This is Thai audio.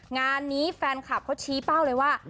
งานนี้แฟนคลับเขาชี้เป้าเลยว่า